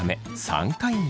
３回目。